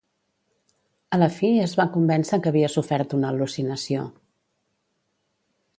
A la fi es va convèncer que havia sofert una al·lucinació.